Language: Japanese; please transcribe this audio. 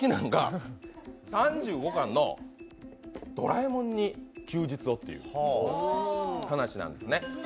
３５巻の「ドラえもんに休日を！」という話なんですね。